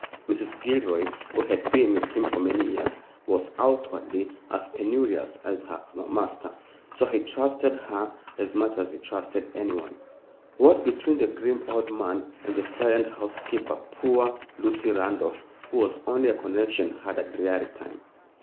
Mrs. Gilroy, who had been with him for many years, was outwardly as penurious as her master, so he trusted her as much as he trusted anyone. What between the grim old man and the silent housekeeper, poor Lucy Randolph, who was only a connection, had a dreary time.